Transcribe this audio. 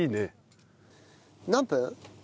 何分？